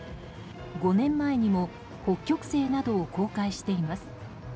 ５年前にも「北極星」などを公開しています。